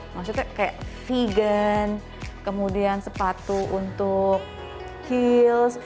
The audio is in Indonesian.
maksudnya kayak vegan kemudian sepatu untuk kills